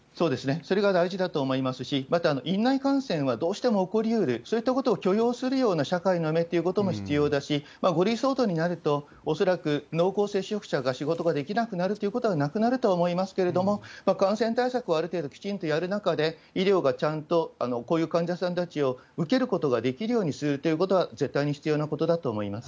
それが大事だと思いますし、また、院内感染はどうしても起こりうる、そういったことを許容するような社会の目っていうことも必要だし、５類相当になると、恐らく濃厚接触者が仕事ができなくなるということはなくなるとは思いますけれども、感染対策はある程度きちんとやる中で、医療がちゃんとこういう患者さんたちを受けることができるようにするということは、絶対に必要なことだと思います。